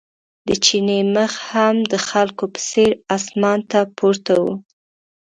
د چیني مخ هم د خلکو په څېر اسمان ته پورته و.